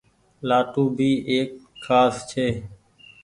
لآٽون ڀي ايڪ کآس ڇي۔